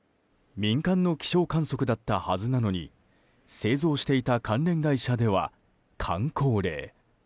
民間の気象観測だったはずなのに製造していた関連会社ではかん口令。